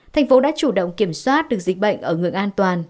thành phố đã chủ động kiểm soát được dịch bệnh ở ngưỡng an toàn